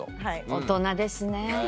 大人ですね。